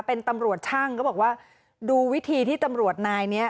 เป็นตำรวจช่างก็บอกว่าดูวิธีที่ตำรวจนายเนี้ย